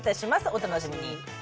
お楽しみに。